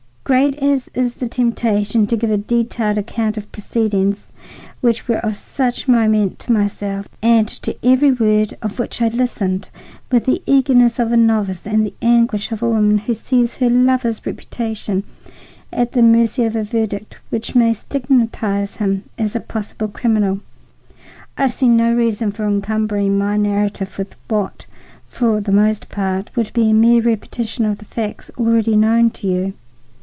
Great as is the temptation to give a detailed account of proceedings which were of such moment to myself, and to every word of which I listened with the eagerness of a novice and the anguish of a woman who sees her lover's reputation at the mercy of a verdict which may stigmatize him as a possible criminal, I see no reason for encumbering my narrative with what, for the most part, would be a mere repetition of facts already known to you.